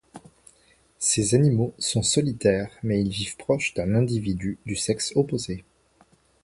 Ces animaux sont solitaires mais ils vivent proche d'un individu du sexe opposé.